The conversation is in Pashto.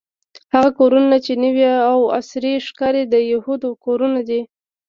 هغه کورونه چې نوې او عصري ښکاري د یهودو کورونه دي.